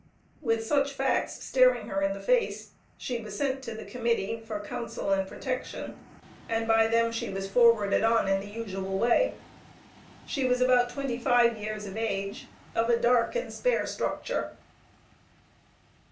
With such facts staring her in the face she was sent to the Committee for counsel and protection, and by them she was forwarded on in the usual way. She was about twenty five years of age, of a dark, and spare structure.